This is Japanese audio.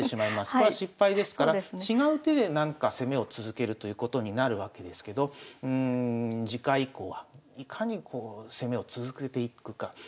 これは失敗ですから違う手でなんか攻めを続けるということになるわけですけど次回以降はいかにこう攻めを続けていくか。